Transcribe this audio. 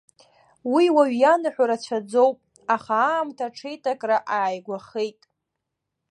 Уи уаҩ ианаҳәо рацәаӡоуп, аха аамҭа аҽеиҭакра ааигәахеит.